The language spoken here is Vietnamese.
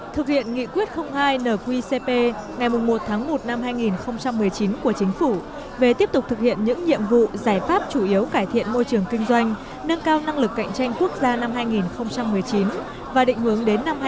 thực hiện nghị quyết hai nqcp ngày một tháng một năm hai nghìn một mươi chín của chính phủ về tiếp tục thực hiện những nhiệm vụ giải pháp chủ yếu cải thiện môi trường kinh doanh nâng cao năng lực cạnh tranh quốc gia năm hai nghìn một mươi chín và định hướng đến năm hai nghìn hai mươi